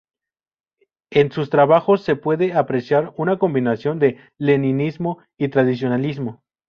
En sus trabajos se puede apreciar una combinación de leninismo y tradicionalismo.